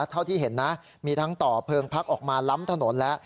เท่าที่เห็นนะมีทั้งต่อเพลิงพักออกมาล้ำถนนแล้ว